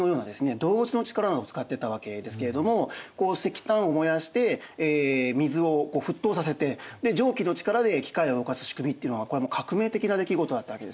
動物の力などを使っていたわけですけれども石炭を燃やして水を沸騰させてで蒸気の力で機械を動かす仕組みっていうのはこれはもう革命的な出来事だったわけですね。